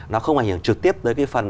nó không ảnh hưởng trực tiếp tới cái phần